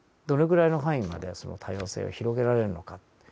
どれぐらいの範囲までその多様性を広げられるのか。